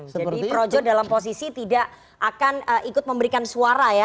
jadi projus dalam posisi tidak akan ikut memberikan suara ya